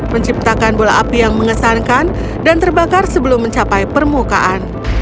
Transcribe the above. menciptakan bola api yang mengesankan dan terbakar sebelum mencapai permukaan